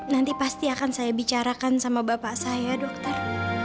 nanti pasti akan saya bicarakan sama bapak saya dokter